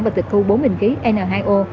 và tịch câu bốn bình khí n hai o